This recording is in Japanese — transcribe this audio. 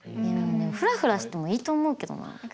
フラフラしてもいいと思うけどな。